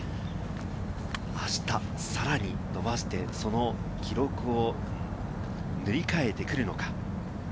あしたさらに伸ばして、その記録を塗り替えてくるのか？